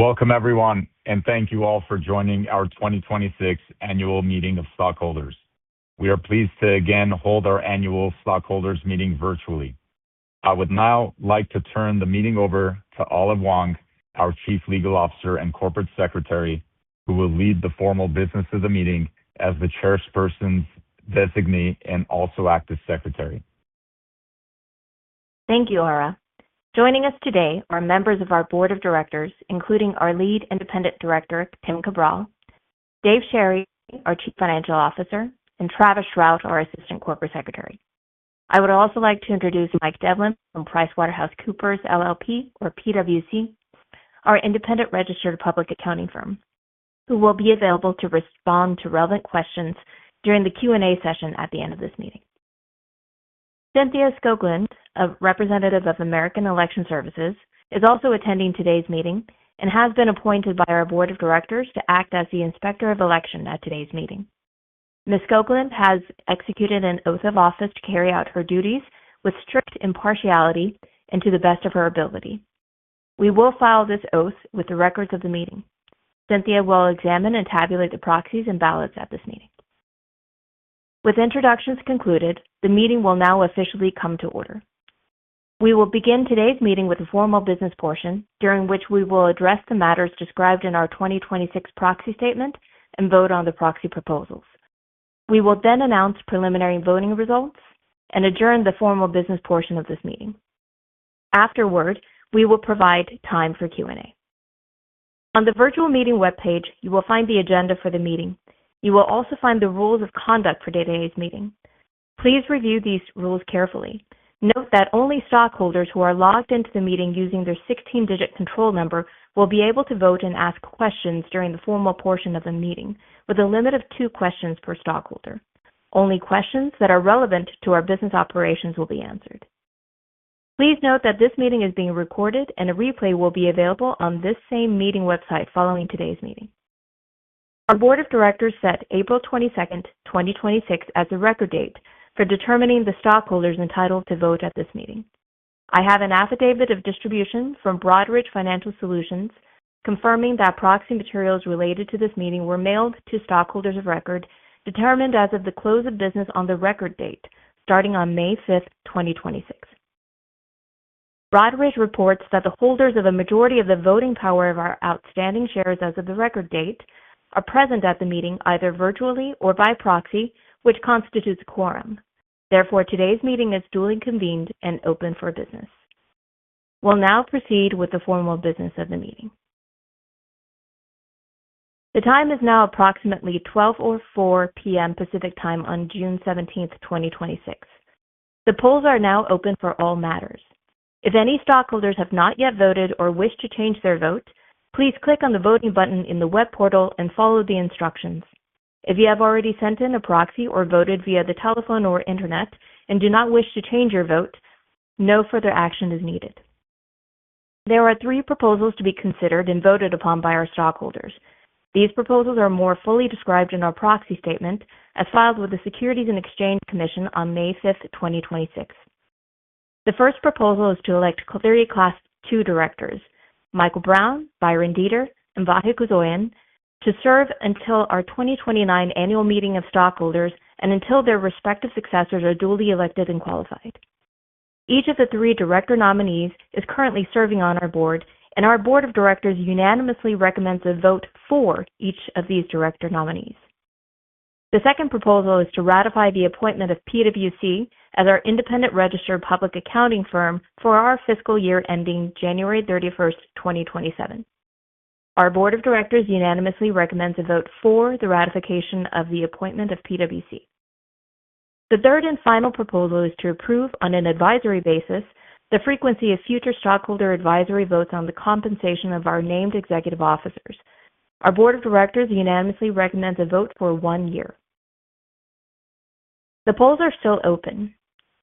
Welcome everyone, thank you all for joining our 2026 annual meeting of stockholders. We are pleased to again hold our annual stockholders meeting virtually. I would now like to turn the meeting over to Olive Huang, our Chief Legal Officer and Corporate Secretary, who will lead the formal business of the meeting as the chairperson's designee and also act as secretary. Thank you, Ara. Joining us today are members of our Board of Directors, including our Lead Independent Director, Tim Cabral, Dave Sherry, our Chief Financial Officer, and Travis Shrout, our Assistant Corporate Secretary. I would also like to introduce Mike Devlin from PricewaterhouseCoopers LLP, or PwC, our independent registered public accounting firm, who will be available to respond to relevant questions during the Q&A session at the end of this meeting. Cynthia Skoglund, a representative of American Election Services, is also attending today's meeting and has been appointed by our Board of Directors to act as the Inspector of Election at today's meeting. Ms. Skoglund has executed an oath of office to carry out her duties with strict impartiality and to the best of her ability. We will file this oath with the records of the meeting. Cynthia will examine and tabulate the proxies and ballots at this meeting. With introductions concluded, the meeting will now officially come to order. We will begin today's meeting with the formal business portion, during which we will address the matters described in our 2026 proxy statement and vote on the proxy proposals. We will then announce preliminary voting results and adjourn the formal business portion of this meeting. Afterward, we will provide time for Q&A. On the virtual meeting webpage, you will find the agenda for the meeting. You will also find the rules of conduct for today's meeting. Please review these rules carefully. Note that only stockholders who are logged into the meeting using their 16-digit control number will be able to vote and ask questions during the formal portion of the meeting, with a limit of two questions per stockholder. Only questions that are relevant to our business operations will be answered. Please note that this meeting is being recorded, a replay will be available on this same meeting website following today's meeting. Our Board of Directors set April 22nd, 2026, as the record date for determining the stockholders entitled to vote at this meeting. I have an affidavit of distribution from Broadridge Financial Solutions confirming that proxy materials related to this meeting were mailed to stockholders of record determined as of the close of business on the record date starting on May 5th, 2026. Broadridge reports that the holders of a majority of the voting power of our outstanding shares as of the record date are present at the meeting either virtually or by proxy, which constitutes a quorum. Today's meeting is duly convened and open for business. We'll now proceed with the formal business of the meeting. The time is now approximately 12:04 P.M. Pacific Time on June 17th, 2026. The polls are now open for all matters. If any stockholders have not yet voted or wish to change their vote, please click on the voting button in the web portal and follow the instructions. If you have already sent in a proxy or voted via the telephone or internet and do not wish to change your vote, no further action is needed. There are three proposals to be considered and voted upon by our stockholders. These proposals are more fully described in our proxy statement as filed with the Securities and Exchange Commission on May 5th, 2026. The first proposal is to elect three Class II directors, Michael Brown, Byron Deeter, and Vahe Kuzoyan, to serve until our 2029 annual meeting of stockholders and until their respective successors are duly elected and qualified. Each of the three director nominees is currently serving on our board, and our board of directors unanimously recommends a vote for each of these director nominees. The second proposal is to ratify the appointment of PwC as our independent registered public accounting firm for our fiscal year ending January 31st, 2027. Our board of directors unanimously recommends a vote for the ratification of the appointment of PwC. The third and final proposal is to approve on an advisory basis the frequency of future stockholder advisory votes on the compensation of our named executive officers. Our board of directors unanimously recommends a vote for one year. The polls are still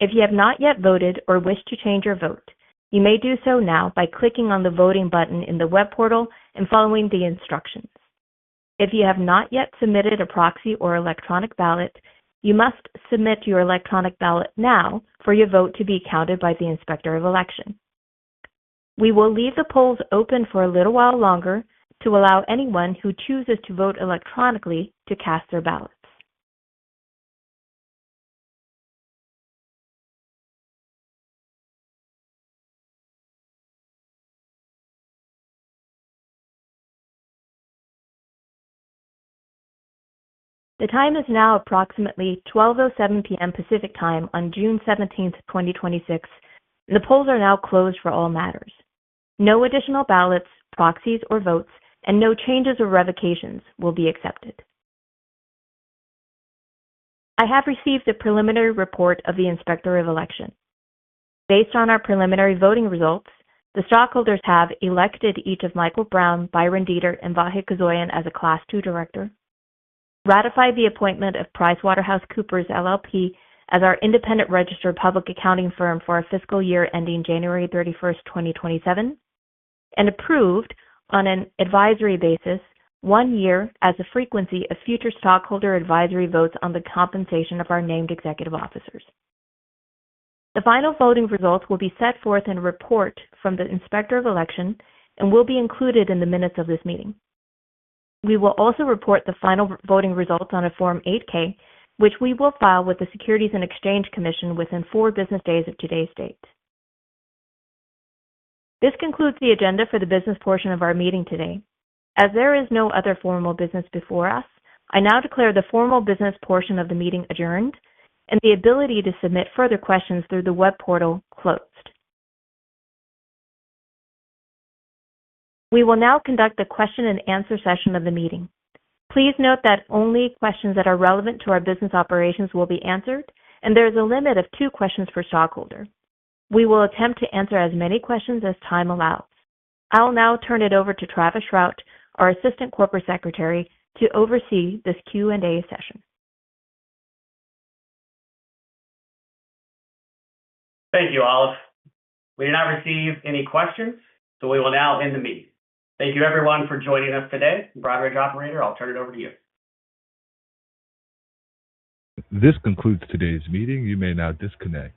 open. If you have not yet voted or wish to change your vote, you may do so now by clicking on the voting button in the web portal and following the instructions. If you have not yet submitted a proxy or electronic ballot, you must submit your electronic ballot now for your vote to be counted by the inspector of election. We will leave the polls open for a little while longer to allow anyone who chooses to vote electronically to cast their ballots. The time is now approximately 12:07 P.M. Pacific Time on June 17th, 2026. The polls are now closed for all matters. No additional ballots, proxies, or votes, and no changes or revocations will be accepted. I have received a preliminary report of the inspector of election. Based on our preliminary voting results, the stockholders have elected each of Michael Brown, Byron Deeter, and Vahe Kuzoyan as a Class II director, ratified the appointment of PricewaterhouseCoopers LLP as our independent registered public accounting firm for our fiscal year ending January 31st, 2027, and approved on an advisory basis one year as the frequency of future stockholder advisory votes on the compensation of our named executive officers. The final voting results will be set forth in a report from the inspector of election and will be included in the minutes of this meeting. We will also report the final voting results on a Form 8-K, which we will file with the Securities and Exchange Commission within four business days of today's date. This concludes the agenda for the business portion of our meeting today. As there is no other formal business before us, I now declare the formal business portion of the meeting adjourned and the ability to submit further questions through the web portal closed. We will now conduct a question and answer session of the meeting. Please note that only questions that are relevant to our business operations will be answered, and there is a limit of two questions per stockholder. We will attempt to answer as many questions as time allows. I will now turn it over to Travis Shrout, our assistant corporate secretary, to oversee this Q&A session. Thank you, Olive. We did not receive any questions. We will now end the meeting. Thank you everyone for joining us today. Broadridge operator, I'll turn it over to you. This concludes today's meeting. You may now disconnect.